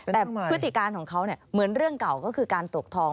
แต่พฤติการของเขาเหมือนเรื่องเก่าก็คือการตกทอง